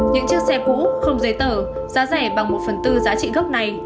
những chiếc xe cũ không giấy tờ giá rẻ bằng một phần tư giá trị gốc này